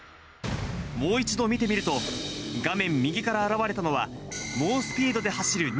もう一度見てみると、画面右から現れたのは、猛スピードで走る２